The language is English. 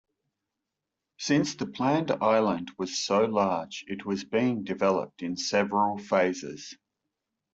Since the planned island was so large, it was being developed in several phases.